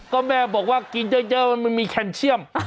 ก็แม่บอกว่ากินเยอะมันมีแคนเชียม